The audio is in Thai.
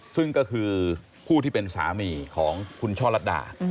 ซึ่งก็คือผู้ที่เป็นสามีของคุณช่อลัดดา